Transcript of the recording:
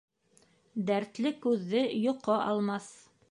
Дәртле күҙҙе йоҡо алмаҫ.